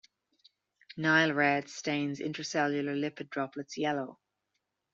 Nile red stains intracellular lipid droplets yellow.